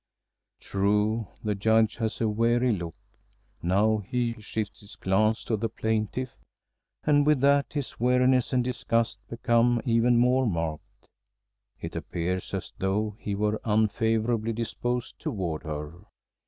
True, the Judge has a wary look. Now he shifts his glance to the plaintiff, and with that his weariness and disgust become even more marked. It appears as though he were unfavorably disposed toward her.